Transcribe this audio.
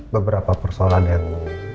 beberapa persoalan yang